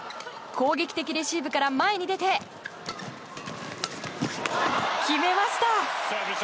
攻撃的レシーブから前に出て、決めました！